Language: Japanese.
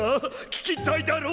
聞きたいだろ？